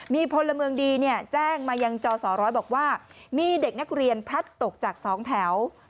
มีพลเมืองดีแจ้งมายังจศร้อยบอกว่ามีเด็กนักเรียนพลัดตกจาก๒แถว